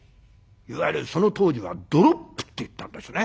いわゆるその当時はドロップって言ったんですね。